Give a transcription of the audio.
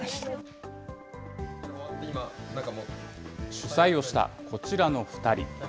主催をしたこちらの２人。